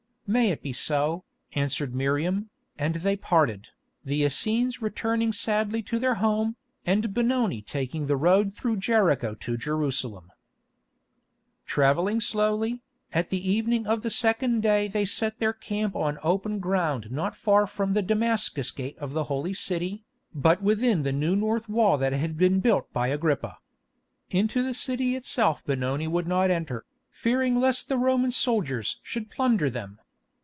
"May it be so," answered Miriam, and they parted, the Essenes returning sadly to their home, and Benoni taking the road through Jericho to Jerusalem. Travelling slowly, at the evening of the second day they set their camp on open ground not far from the Damascus gate of the Holy City, but within the new north wall that had been built by Agrippa. Into the city itself Benoni would not enter, fearing lest the Roman soldiers should plunder them.